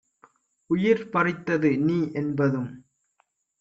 உயிர் பறித்தது நீஎன்பதும்